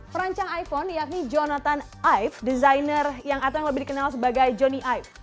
perancang iphone yakni jonathan ive desainer atau yang lebih dikenal sebagai johnny ive